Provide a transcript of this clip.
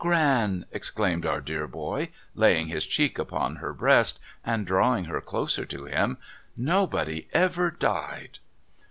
Gran !' exclaimed our dear boy, laying his cheek upon her breast, and drawing her closer to him. ' Nobody ever died.'